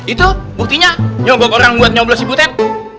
itu buktinya nyobok orang buat nyobol si butet